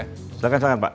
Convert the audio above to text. silahkan silahkan pak